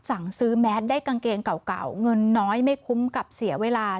สั่งซื้อแมสได้กางเกงเก่าเงินน้อยไม่คุ้มกับเสียเวลา